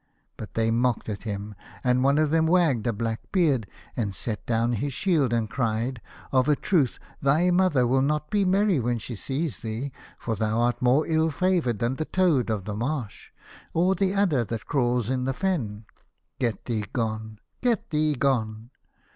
But they mocked at him, and one of them wagged a black beard, and set down his shield and cried, " Of a truth, thy mother will not be merry when she sees thee, for thou art more ill favoured than the toad of the marsh, or the adder that crawls in the fen. Get thee gone. Get thee gone.